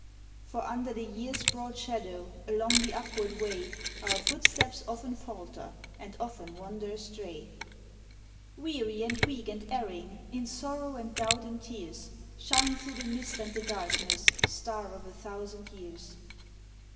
For under the year's broad shadow, Along the upward way, Our footsteps often falter, And often wander astray. Weary and weak and erring, In sorrow and doubt and tears, Shine through the mist and the darkness Star of a thousand years!